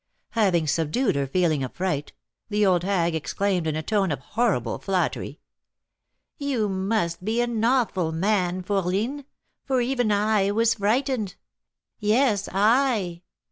Having subdued her feeling of fright, the old hag exclaimed, in a tone of horrible flattery: "You must be an awful man, fourline, for even I was frightened! yes, I!"